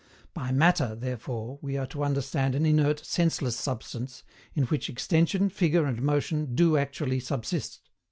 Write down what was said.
By MATTER, therefore, we are to understand an inert, senseless substance, in which extension, figure, and motion DO ACTUALLY SUBSIST.